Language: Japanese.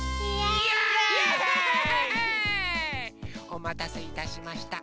おまたせいたしました。